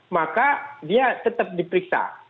maka dia tetap diperiksa